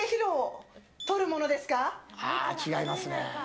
違いますね。